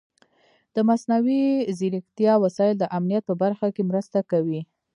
د مصنوعي ځیرکتیا وسایل د امنیت په برخه کې مرسته کوي.